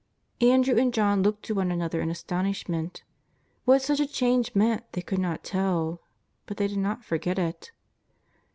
Andrew and John looked at one another in astonishment. What such a change meant they could not tell, but they did not forget it.